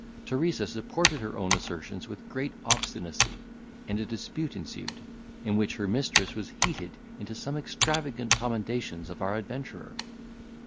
Teresa supported her own assertions with great obstinacy, and a dispute ensued, in which her mistress was heated into some extravagant commendations of our adventurer.